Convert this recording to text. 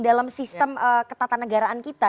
dalam sistem ketatanegaraan kita